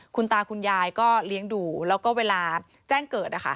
คุณตาคุณยายก็เลี้ยงดูแล้วก็เวลาแจ้งเกิด